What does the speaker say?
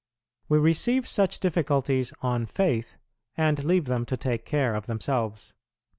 We receive such difficulties on faith, and leave them to take care of themselves.